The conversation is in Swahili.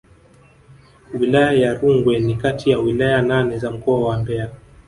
Wilaya ya Rungwe ni kati ya wilaya nane za mkoa wa Mbeya